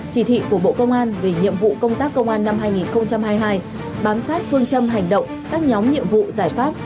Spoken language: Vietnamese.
chỉ thị của bộ công an về nhiệm vụ công tác công an năm hai nghìn hai mươi hai bám sát phương châm hành động các nhóm nhiệm vụ giải pháp